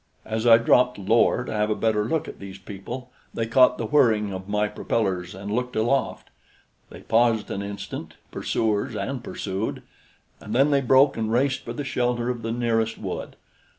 As I dropped lower to have a better look at these people, they caught the whirring of my propellers and looked aloft. They paused an instant pursuers and pursued; and then they broke and raced for the shelter of the nearest wood.